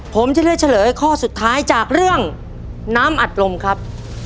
ผมจะเลือกเฉลยข้อสุดท้ายจากเรื่องน้ำอัดลมครับ